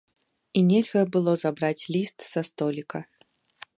І нельга было забраць ліст са століка.